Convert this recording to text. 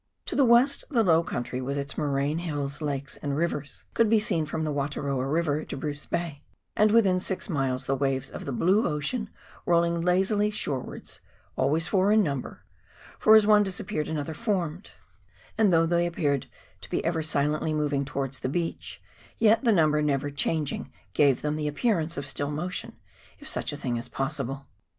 To the west the low country, with its moraine hills, lakes and rivers, could be seen from the Wataroa River to Bruce Bay, and within six miles the waves of the blue ocean rolling lazily shorewards, always four in number, for as one disappeared another formed, and though they appeared to be ever silently moving towards the beach, yet the number never changing gave them the appearance of " still motion," if such a thing is possible.